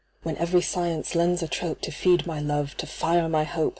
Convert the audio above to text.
When every science lends a trope To feed my love, to fire my hope.